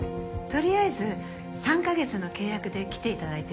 とりあえず３カ月の契約で来て頂いてるんです。